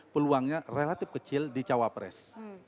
peluangnya relatif kecil di cawapres